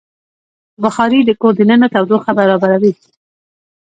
بخاري د کور دننه تودوخه برابروي.